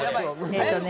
えっとね